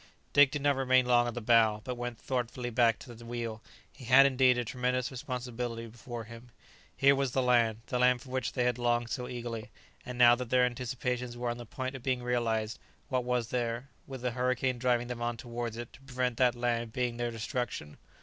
Dick did not remain long at the bow, but went thoughtfully back to the wheel. He had, indeed, a tremendous responsibility before him. Here was the land, the land for which they had longed so eagerly; and now that their anticipations were on the point of being realized, what was there, with a hurricane driving them on towards it, to prevent that land being their destruction?